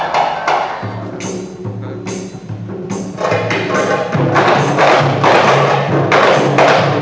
kita akan menyaksikan persembahan dari kondisi kreatif kata ya silahkan duduk terima kasih